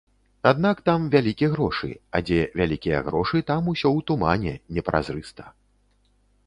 Аднак там вялікі грошы, а дзе вялікія грошы, там усё ў тумане, непразрыста.